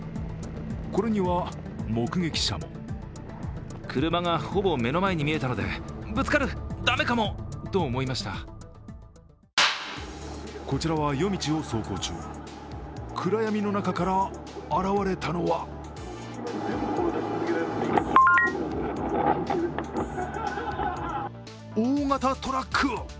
これには目撃者もこちらは夜道を走行中暗闇の中から現れたのは大型トラック！